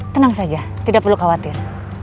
tenang saja tidak perlu khawatir